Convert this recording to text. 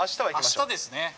あしたですね。